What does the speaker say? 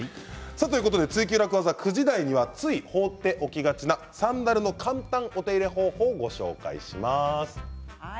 「ツイＱ楽ワザ」９時台はつい放っておきがちなサンダルの簡単お手入れ方法をご紹介します。